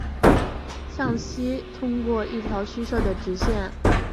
向西通过一条虚设的直线与玻利维亚相邻。